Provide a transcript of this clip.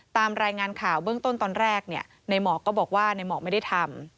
ตามรายงานข่าวเบื้องต้นตอนแรกในหมอกก็บอกว่าในหมอกไม่ได้ทำ